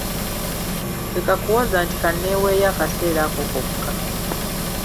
Leka kuwoza nti kanneeweeyo akaseera ako kokka.